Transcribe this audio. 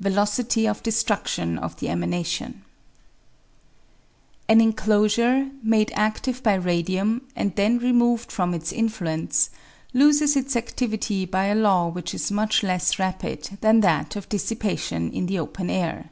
Velocity of Destruction of the Emanation . An enclosure, made adtive by radium and then removed from its influence, loses its adtivity by a law which is much less rapid than that of dissipation in the open air.